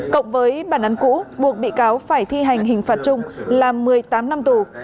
cộng với bản án cũ buộc bị cáo phải thi hành hình phạt chung là một mươi tám năm tù